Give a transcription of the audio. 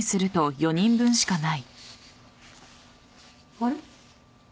あれ？